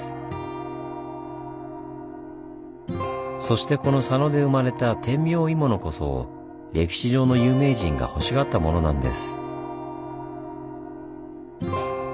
そしてこの佐野で生まれた「天明鋳物」こそ歴史上の有名人がほしがったモノなんです。